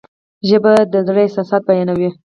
ژبه د زړه احساسات بیانوي.